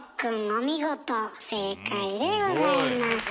お見事正解でございます。